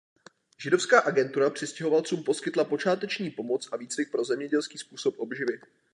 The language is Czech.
Židovská agentura přistěhovalcům poskytla počáteční pomoc a výcvik pro zemědělský způsob obživy.